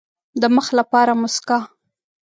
د مخ لپاره موسکا.